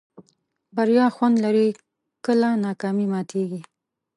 بریا خوند لري کله ناکامي ماتېږي.